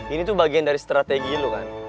ini tuh bagian dari strategi dulu kan